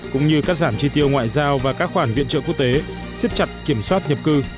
cũng như cắt giảm chi tiêu ngoại giao và các khoản viện trợ quốc tế siết chặt kiểm soát nhập cư